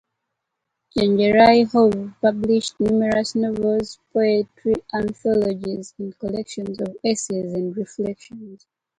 Chenjerai Hove published numerous novels, poetry anthologies and collections of essays and reflections.